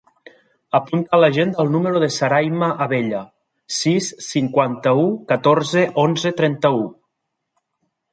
Apunta a l'agenda el número de la Sarayma Abella: sis, cinquanta-u, catorze, onze, trenta-u.